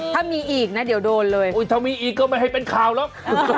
ถ้ามีอีกนะเดี๋ยวโดนเลยถ้ามีอีกก็ไม่ให้เป็นข่าวหรอก